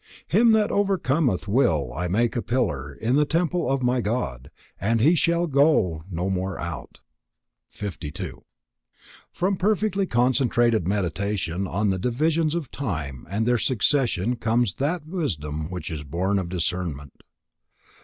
"Him that overcometh will I make a pillar in the temple of my God, and he shall go no more out." 52. From perfectly concentrated Meditation on the divisions of time and their succession comes that wisdom which is born of discernment.